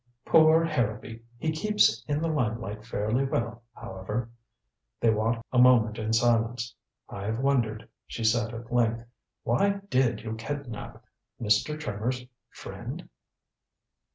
"Poor Harrowby! He keeps in the lime light fairly well, however." They walked along a moment in silence. "I've wondered," she said at length. "Why did you kidnap Mr. Trimmer's friend?"